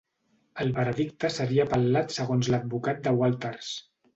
El veredicte seria apel·lat segons l'advocat de Walters.